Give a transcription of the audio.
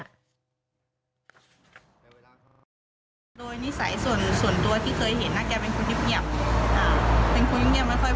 โดยนิสัยส่วนตัวที่เคยเห็นนะแกเป็นคนที่เพียบ